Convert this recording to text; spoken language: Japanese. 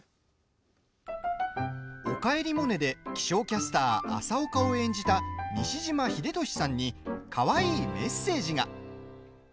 「おかえりモネ」で気象キャスター・朝岡を演じた西島秀俊さんにかわいいメッセージが。